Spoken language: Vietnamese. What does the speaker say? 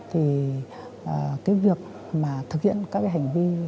thì cái việc mà thực hiện các hành vi